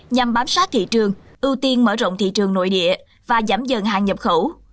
nhằm bám sát thị trường ưu tiên mở rộng thị trường nội địa và giảm dần hàng nhập khẩu